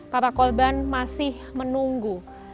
para korban masih menunggu